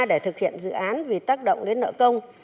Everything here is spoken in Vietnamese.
để thực hiện dự án vì tác động đến nợ công